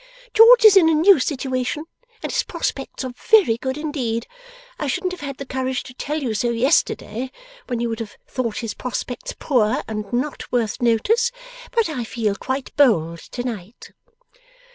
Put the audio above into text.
George is in a new situation, and his prospects are very good indeed. I shouldn't have had the courage to tell you so yesterday, when you would have thought his prospects poor, and not worth notice; but I feel quite bold tonight.